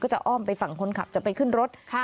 จะอ้อมไปฝั่งคนขับจะไปขึ้นรถ